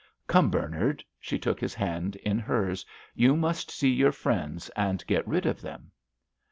"Come, Bernard"; she took his hand in hers. "You must see your friends and get rid of them."